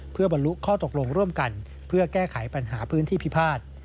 เพื่อบรรลุข้อตกลงร่วมกันเพื่อแก้ไขปัญหาพื้นที่พิพาท